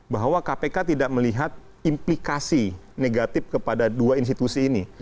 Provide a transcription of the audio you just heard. bahwa kpk tidak melihat implikasi negatif kepada dua institusi ini